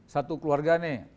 satu keluarga nih